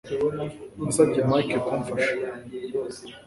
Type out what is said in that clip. Nasabye Mike kumfasha